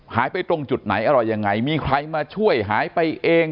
หายไปตรงจุดไหนอะไรยังไงมีใครมาช่วยหายไปเอง